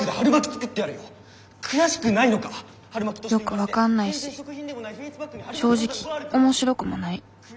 よく分かんないし正直面白くもない。